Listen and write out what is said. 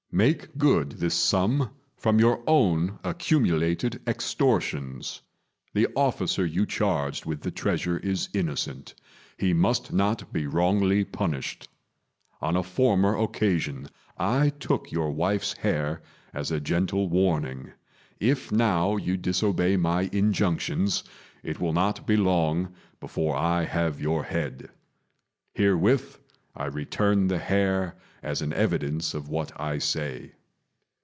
Make good this sum from your own accumulated extortions. The officer you charged with the treasure is innocent; he must not be wrongly punished. On a former occasion I took your wife's hair as a gentle warning. If now you disobey my injunctions, it will not be long before I have your head. Herewith I return the hair as an evidence of what I say."